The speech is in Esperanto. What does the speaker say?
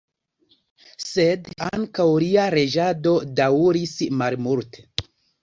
Sed ankaŭ lia reĝado daŭris malmulte.